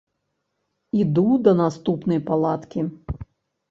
Іду да наступнай палаткі.